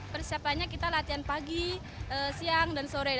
persiapannya kita latihan pagi siang dan sore